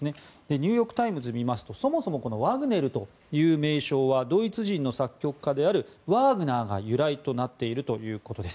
ニューヨーク・タイムズを見ますとそもそもワグネルという名称はドイツ人の作曲家であるワーグナーが由来となっているということです。